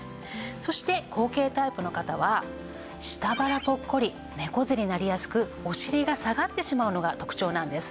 そして後傾タイプの方は下腹ポッコリ猫背になりやすくお尻が下がってしまうのが特徴なんです。